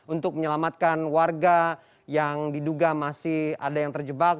untuk menyelamatkan warga yang diduga masih ada yang terjebak